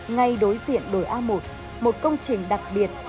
ngay đối diện đồi a một một công trình đặc biệt